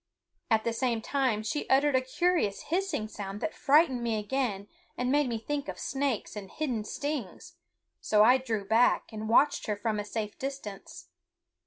At the same time she uttered a curious hissing sound that frightened me again and made me think of snakes and hidden stings; so I drew back and watched her from a safe distance.